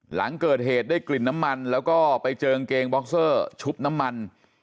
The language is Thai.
หลังเกิดเหตุได้กลิ่นน้ำมันแล้วก็ไปเจอกางเกงบ็อกเซอร์ชุบน้ำมัน